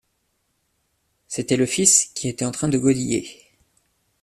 C’était le fils qui était en train de godiller.